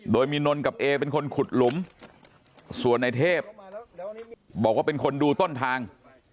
โดยมีนนกับเอเป็นคนขุดหลุมส่วนในเทพบอกว่าเป็นคนดูต้นทาง